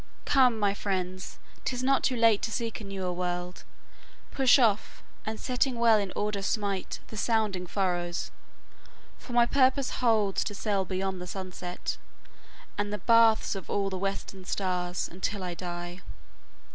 "... Come, my friends, 'Tis not too late to seek a newer world. Push off, and sitting well in order smite The sounding furrows; for my purpose holds To sail beyond the sunset, and the baths Of all the western stars, until I die.